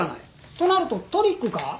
となるとトリックか？